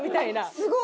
すごい。